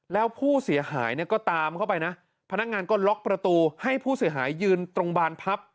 แล้วผู้เสียหายเนี่ยก็ตามเข้าไปนะพนักงานก็ล็อกประตูให้ผู้เสียหายยืนตรงบานพับ